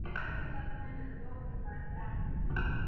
A nivel provincial, el partido ganó cuatro escaños.